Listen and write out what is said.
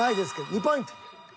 ２ポイント。